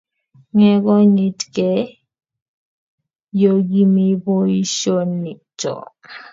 Ngegonyitge yo Kimi boisionikcho